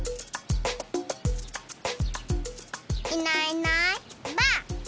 いないいないばあっ！